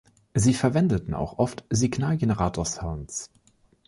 Sie verwendeten auch oft Signalgenerator-Sounds.